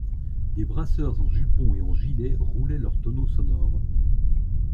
Des brasseurs en jupon et en gilet roulaient leurs tonneaux sonores.